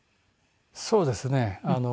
そうですね。